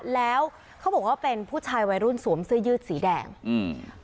แล้วเขาบอกว่าเป็นผู้ชายวัยรุ่นสวมเสื้อยืดสีแดงอืม